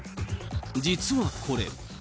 実はこれ。